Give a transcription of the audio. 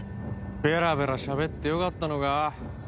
ベラベラ喋ってよかったのか？